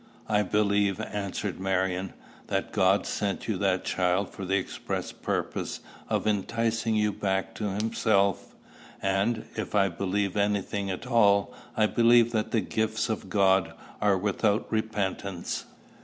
"I believe," answered Marion, "that God sent you that child for the express purpose of enticing you back to himself; and, if I believe any thing at all, I believe that the gifts of God are without repentance."